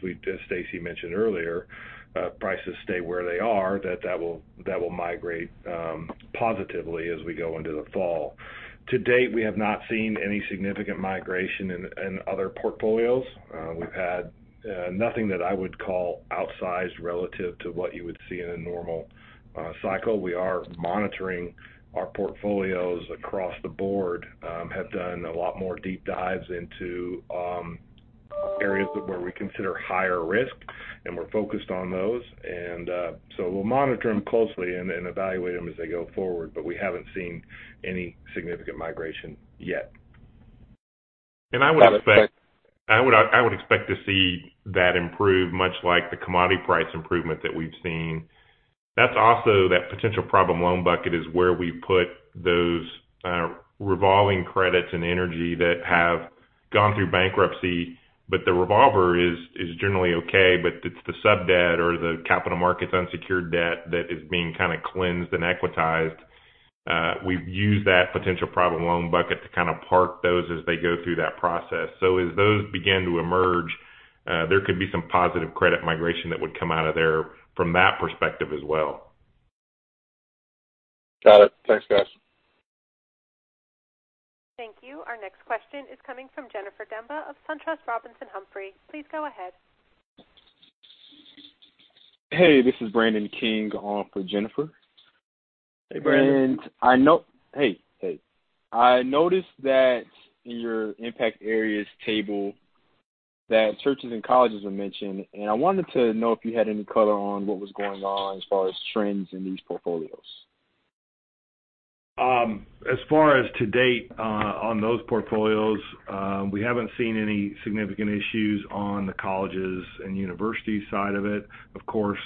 Stacy mentioned earlier, prices stay where they are, that that will migrate positively as we go into the fall. To date, we have not seen any significant migration in other portfolios. We've had nothing that I would call outsized relative to what you would see in a normal cycle. We are monitoring our portfolios across the board. Have done a lot more deep dives into areas where we consider higher risk, and we're focused on those. We'll monitor them closely and evaluate them as they go forward. We haven't seen any significant migration yet. I would expect to see that improve much like the commodity price improvement that we've seen. That's also that potential problem loan bucket is where we put those revolving credits and energy that have gone through bankruptcy. The revolver is generally okay, but it's the sub-debt or the capital markets unsecured debt that is being kind of cleansed and equitized. We've used that potential problem loan bucket to kind of park those as they go through that process. As those begin to emerge, there could be some positive credit migration that would come out of there from that perspective as well. Got it. Thanks, guys. Thank you. Our next question is coming from Jennifer Demba of SunTrust Robinson Humphrey. Please go ahead. Hey, this is Brandon King on for Jennifer. Hey, Brandon. Hey. I noticed that in your impact areas table that churches and colleges were mentioned, and I wanted to know if you had any color on what was going on as far as trends in these portfolios? As far as to date on those portfolios, we haven't seen any significant issues on the colleges and universities side of it. Of course,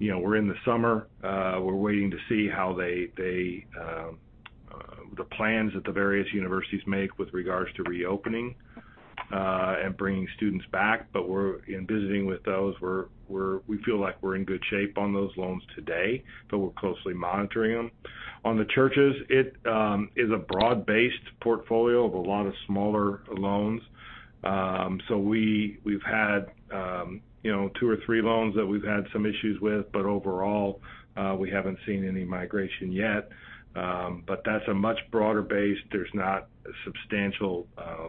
we're in the summer. We're waiting to see how the plans that the various universities make with regards to reopening and bringing students back. In visiting with those, we feel like we're in good shape on those loans today, but we're closely monitoring them. On the churches, it is a broad-based portfolio of a lot of smaller loans. We've had two or three loans that we've had some issues with, but overall, we haven't seen any migration yet. That's a much broader base. There's not substantial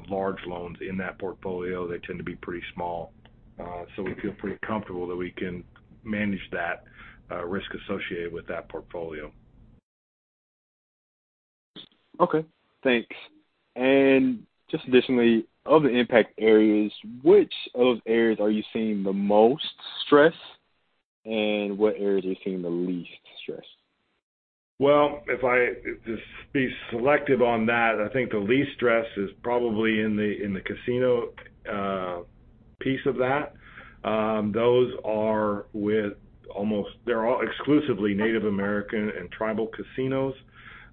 large loans in that portfolio. They tend to be pretty small. We feel pretty comfortable that we can manage that risk associated with that portfolio. Okay, thanks. Just additionally, of the impact areas, which of areas are you seeing the most stress, and what areas are you seeing the least stress? If I just be selective on that, I think the least stress is probably in the casino piece of that. Those are all exclusively Native American and tribal casinos.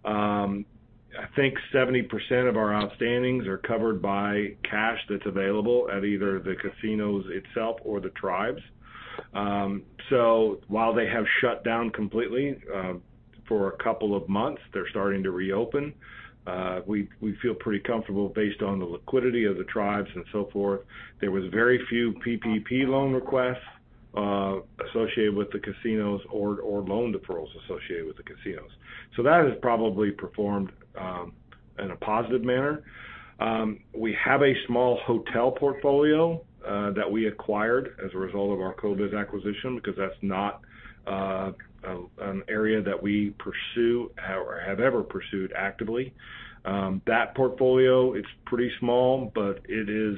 I think 70% of our outstandings are covered by cash that's available at either the casinos itself or the tribes. While they have shut down completely for a couple of months, they're starting to reopen. We feel pretty comfortable based on the liquidity of the tribes and so forth. There was very few PPP loan requests associated with the casinos or loan deferrals associated with the casinos. That has probably performed in a positive manner. We have a small hotel portfolio that we acquired as a result of our CoBiz acquisition because that's not an area that we pursue or have ever pursued actively. That portfolio, it's pretty small, but it is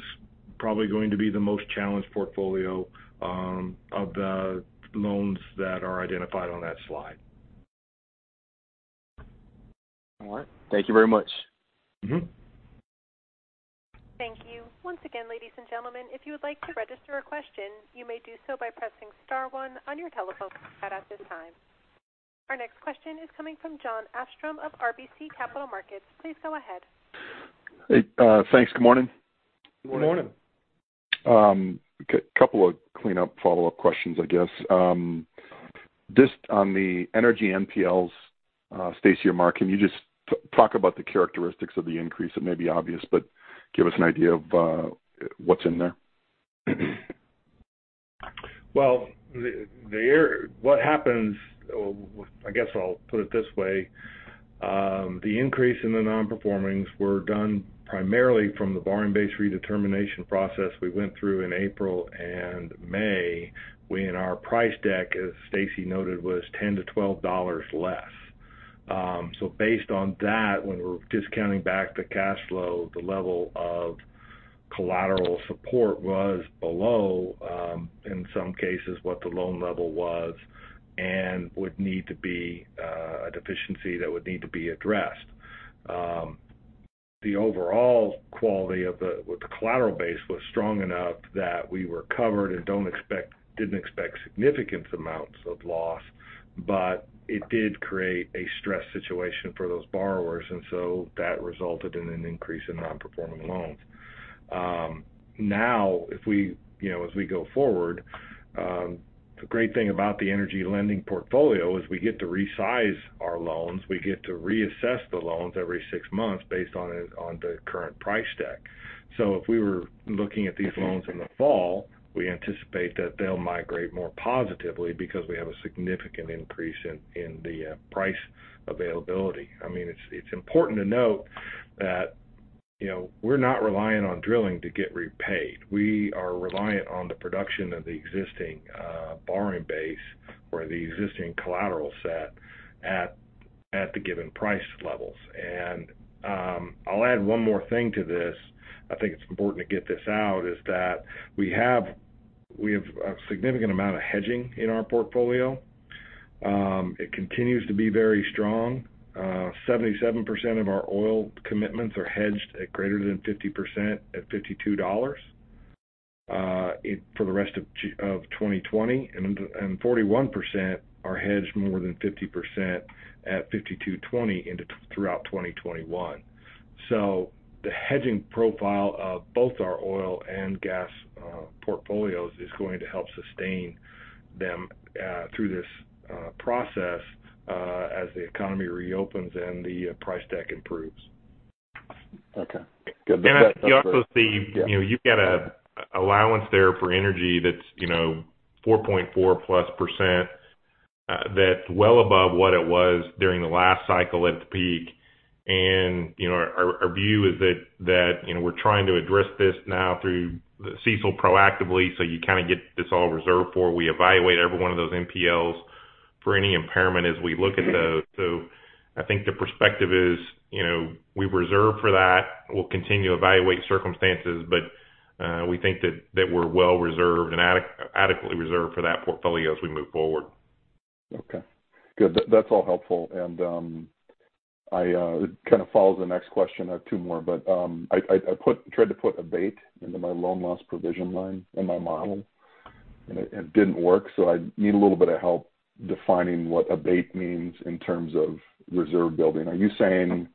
probably going to be the most challenged portfolio of the loans that are identified on that slide. All right. Thank you very much. Thank you. Once again, ladies and gentlemen, if you would like to register a question, you may do so by pressing star one on your telephone keypad at this time. Our next question is coming from Jon Arfstrom of RBC Capital Markets. Please go ahead. Hey. Thanks. Good morning. Good morning. Good morning. Okay. Couple of cleanup follow-up questions, I guess. Just on the energy NPLs, Stacy or Marc, can you just talk about the characteristics of the increase? It may be obvious, but give us an idea of what's in there. Well, I guess I'll put it this way. The increase in the non-performings were done primarily from the borrowing base redetermination process we went through in April and May, when our price deck, as Stacy noted, was $10 to $12 less. Based on that, when we're discounting back the cash flow, the level of collateral support was below, in some cases, what the loan level was and would need to be a deficiency that would need to be addressed. The overall quality of the collateral base was strong enough that we were covered and didn't expect significant amounts of loss, but it did create a stress situation for those borrowers, and so that resulted in an increase in non-performing loans. Now, as we go forward, the great thing about the energy lending portfolio is we get to resize our loans. We get to reassess the loans every six months based on the current price deck. If we were looking at these loans in the fall, we anticipate that they'll migrate more positively because we have a significant increase in the price availability. It's important to note that we're not reliant on drilling to get repaid. We are reliant on the production of the existing borrowing base or the existing collateral set at the given price levels. I'll add one more thing to this, I think it's important to get this out, is that we have a significant amount of hedging in our portfolio. It continues to be very strong. 77% of our oil commitments are hedged at greater than 50% at $52 for the rest of 2020, and 41% are hedged more than 50% at $52.20 throughout 2021. The hedging profile of both our oil and gas portfolios is going to help sustain them through this process as the economy reopens and the price deck improves. Okay. Good. And you also see- Yeah you've got a allowance there for energy that's 4.4% plus. That's well above what it was during the last cycle at the peak. Our view is that we're trying to address this now through CECL proactively, so you kind of get this all reserved for. We evaluate every one of those NPLs for any impairment as we look at those. I think the perspective is we reserve for that. We'll continue to evaluate circumstances, we think that we're well reserved and adequately reserved for that portfolio as we move forward. Good. That's all helpful, and it kind of follows the next question. I have two more. I tried to put abate into my loan loss provision line in my model, and it didn't work. I need a little bit of help defining what abate means in terms of reserve building. It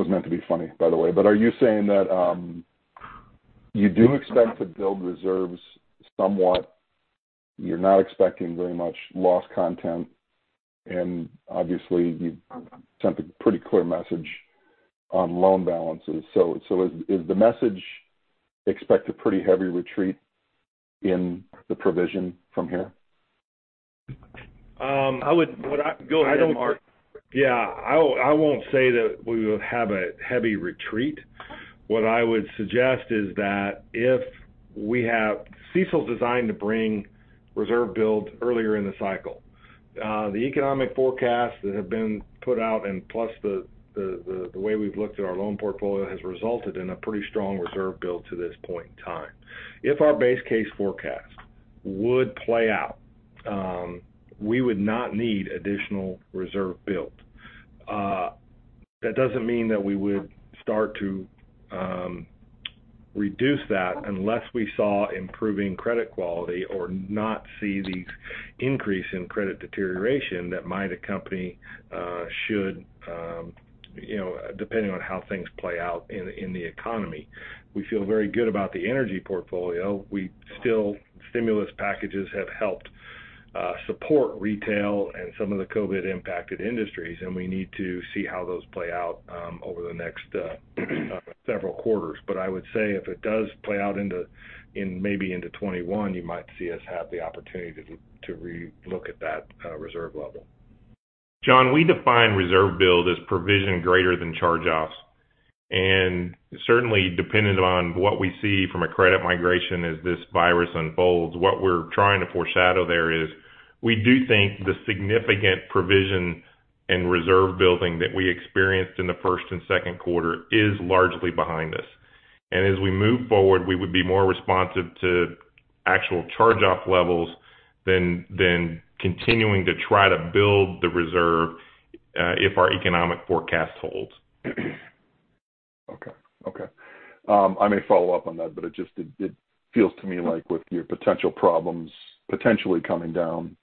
was meant to be funny, by the way. Are you saying that you do expect to build reserves somewhat, you're not expecting very much loss content, and obviously, you sent a pretty clear message on loan balances. Is the message, expect a pretty heavy retreat in the provision from here? Go ahead, Marc. Yeah. I won't say that we will have a heavy retreat. What I would suggest is that CECL's designed to bring reserve builds earlier in the cycle. The economic forecasts that have been put out, plus the way we've looked at our loan portfolio has resulted in a pretty strong reserve build to this point in time. If our base case forecast would play out, we would not need additional reserve built. That doesn't mean that we would start to reduce that unless we saw improving credit quality or not see the increase in credit deterioration that might accompany depending on how things play out in the economy. We feel very good about the energy portfolio. Still, stimulus packages have helped support retail and some of the COVID-impacted industries, we need to see how those play out over the next several quarters. I would say if it does play out maybe into 2021, you might see us have the opportunity to relook at that reserve level. Jon, we define reserve build as provision greater than charge-offs, and certainly dependent on what we see from a credit migration as this virus unfolds. What we're trying to foreshadow there is, we do think the significant provision and reserve building that we experienced in the first and second quarter is largely behind us. As we move forward, we would be more responsive to actual charge-off levels than continuing to try to build the reserve if our economic forecast holds. Okay. I may follow up on that, it just feels to me like with your potential problems potentially coming down,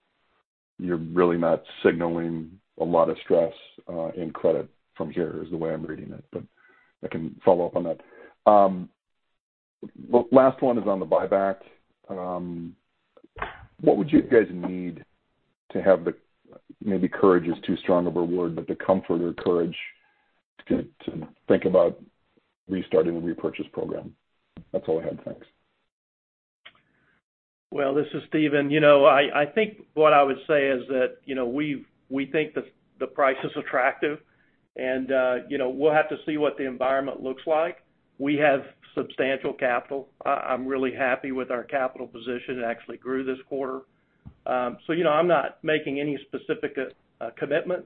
you're really not signaling a lot of stress in credit from here, is the way I'm reading it. I can follow up on that. Last one is on the buyback. What would you guys need to have the, maybe courage is too strong of a word, but the comfort or courage to think about restarting the repurchase program? That's all I had. Thanks. Well, this is Steven. I think what I would say is that, we think the price is attractive. We'll have to see what the environment looks like. We have substantial capital. I'm really happy with our capital position, it actually grew this quarter. I'm not making any specific commitment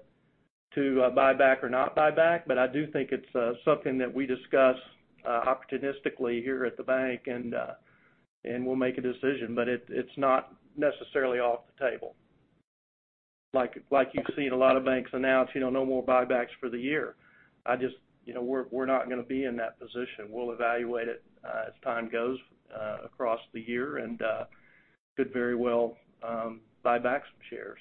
to buyback or not buyback, but I do think it's something that we discuss opportunistically here at the bank and we'll make a decision. It's not necessarily off the table. Like you've seen a lot of banks announce, "No more buybacks for the year." We're not going to be in that position. We'll evaluate it as time goes across the year, and could very well buy back some shares.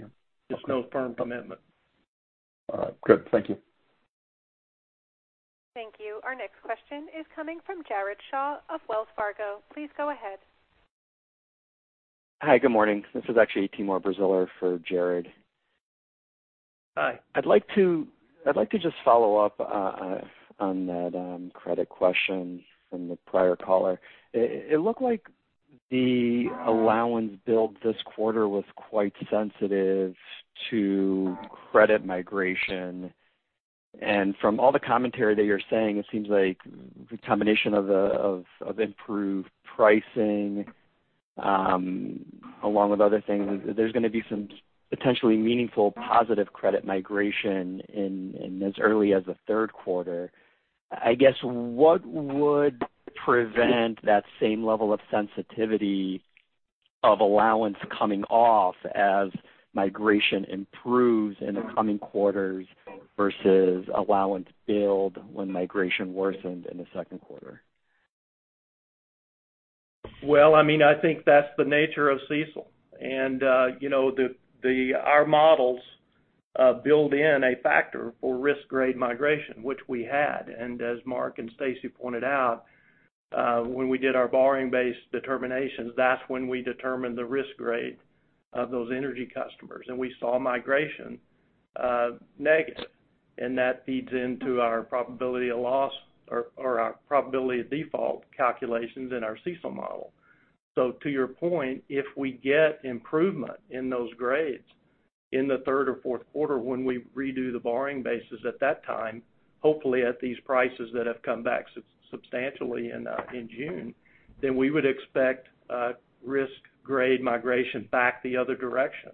Yeah. Okay. Just no firm commitment. All right, great. Thank you. Thank you. Our next question is coming from Jared Shaw of Wells Fargo. Please go ahead. Hi, good morning. This is actually Timur Braziler for Jared. Hi. I'd like to just follow up on that credit question from the prior caller. It looked like the allowance build this quarter was quite sensitive to credit migration, and from all the commentary that you're saying, it seems like the combination of improved pricing, along with other things, there's going to be some potentially meaningful positive credit migration in as early as the third quarter. I guess, what would prevent that same level of sensitivity of allowance coming off as migration improves in the coming quarters versus allowance build when migration worsened in the second quarter? Well, I think that's the nature of CECL. Our models build in a factor for risk grade migration, which we had. As Marc and Stacy pointed out, when we did our borrowing base determinations, that's when we determined the risk grade of those energy customers. We saw migration negative. That feeds into our probability of loss or our probability of default calculations in our CECL model. To your point, if we get improvement in those grades in the third or fourth quarter when we redo the borrowing basis at that time, hopefully at these prices that have come back substantially in June, we would expect risk grade migration back the other direction,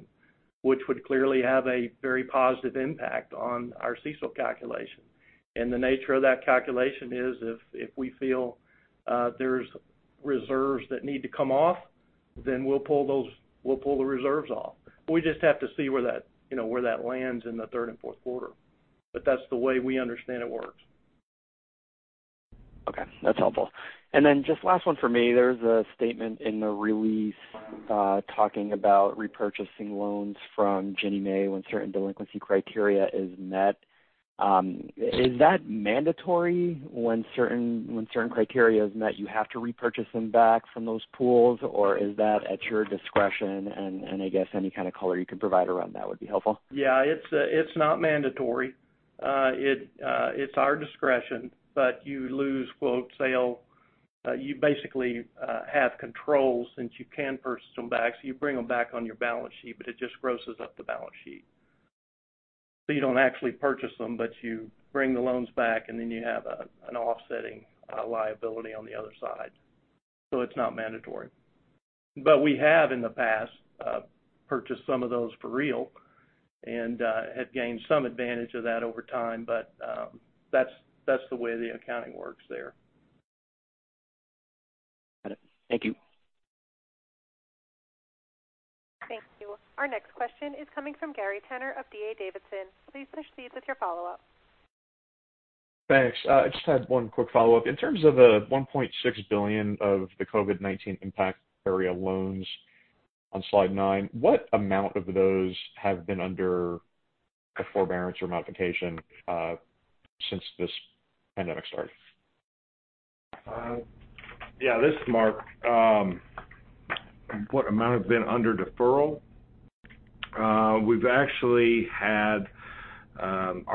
which would clearly have a very positive impact on our CECL calculation. The nature of that calculation is if we feel there's reserves that need to come off, then we'll pull the reserves off. We just have to see where that lands in the third and fourth quarter. That's the way we understand it works. Okay, that's helpful. Just last one for me. There's a statement in the release talking about repurchasing loans from Ginnie Mae when certain delinquency criteria is met. Is that mandatory when certain criteria is met, you have to repurchase them back from those pools? Or is that at your discretion? I guess any kind of color you could provide around that would be helpful. Yeah. It's not mandatory. It's our discretion, but you lose [quote sale]. You basically have control since you can purchase them back, so you bring them back on your balance sheet, but it just grosses up the balance sheet. You don't actually purchase them, but you bring the loans back and then you have an offsetting liability on the other side. It's not mandatory. We have in the past, purchased some of those for real, and have gained some advantage of that over time. That's the way the accounting works there. Got it. Thank you. Thank you. Our next question is coming from Gary Tenner of D.A. Davidson. Please proceed with your follow-up. Thanks. I just had one quick follow-up. In terms of the $1.6 billion of the COVID-19 impact area loans on slide nine, what amount of those have been under a forbearance or modification since this pandemic started? Yeah, this is Marc. What amount have been under deferral? Our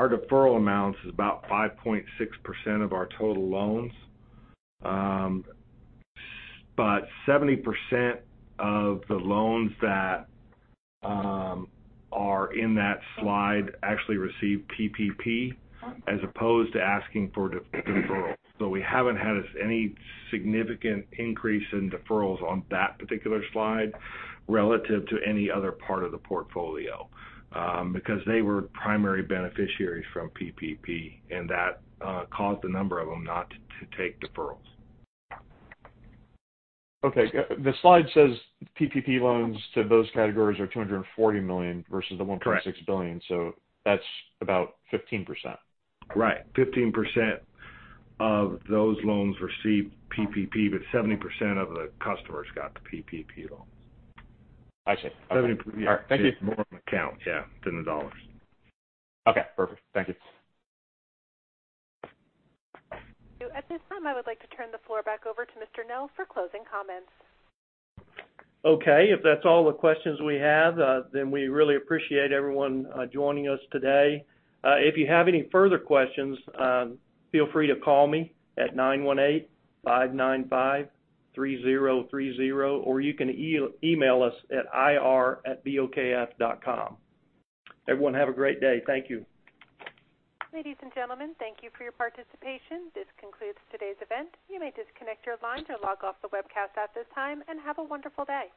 deferral amounts is about 5.6% of our total loans. 70% of the loans that are in that slide actually received PPP as opposed to asking for deferrals. We haven't had any significant increase in deferrals on that particular slide relative to any other part of the portfolio because they were primary beneficiaries from PPP, and that caused a number of them not to take deferrals. Okay. The slide says PPP loans to those categories are $240 million versus the $1.6 billion. Correct. That's about 15%. Right. 15% of those loans received PPP, but 70% of the customers got the PPP loans. I see. Okay. 70- All right. Thank you. more on the count, yeah, than the dollars. Okay, perfect. Thank you. At this time, I would like to turn the floor back over to Mr. Nell for closing comments. If that's all the questions we have, we really appreciate everyone joining us today. If you have any further questions, feel free to call me at 918-595-3030, or you can email us at ir@bokf.com. Everyone, have a great day. Thank you. Ladies and gentlemen, thank you for your participation. This concludes today's event. You may disconnect your lines or log off the webcast at this time, and have a wonderful day.